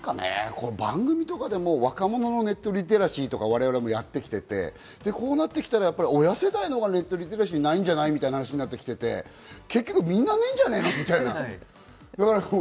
番組とかでも若者のネットリテラシーとかやってきていて、親世代のほうがネットリテラシーがないんじゃないみたいになってきて、結局みんなないんじゃないの？みたいな。